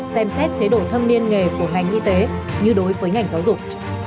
xem xét chế độ thâm niên nghề của ngành y tế như đối với ngành giáo dục